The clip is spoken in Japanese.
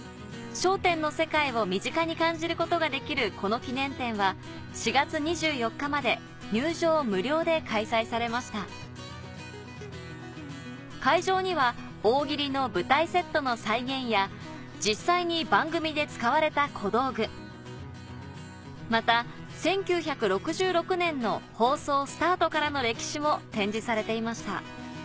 『笑点』の世界を身近に感じることができるこの記念展は４月２４日まで入場無料で開催されました会場には「大喜利」の舞台セットの再現や実際にまた１９６６年の放送スタートからの歴史も展示されていました